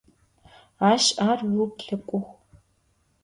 Aş ar ıuplhek'uğ.